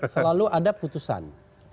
selalu ada putusan